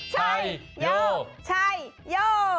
ชัยโย